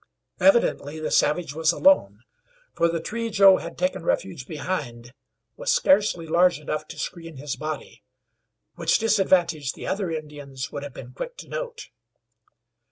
Evidently the savage was alone, for the tree Joe had taken refuge behind was scarcely large enough to screen his body, which disadvantage the other Indians would have been quick to note.